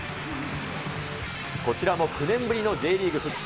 こちらも９年ぶりのＪリーグ復帰。